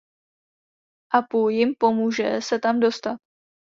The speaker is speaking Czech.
Apu jim pomůže se tam dostat.